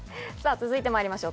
続いて参りましょう。